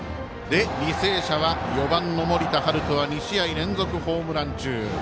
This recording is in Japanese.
履正社は４番の森田大翔は２試合連続ホームラン中。